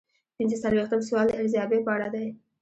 پنځه څلویښتم سوال د ارزیابۍ په اړه دی.